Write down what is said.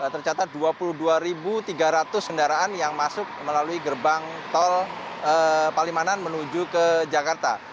tercatat dua puluh dua tiga ratus kendaraan yang masuk melalui gerbang tol palimanan menuju ke jakarta